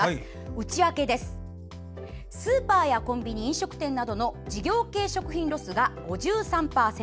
内訳はスーパーやコンビニ飲食店などの事業系食品ロスが５３％。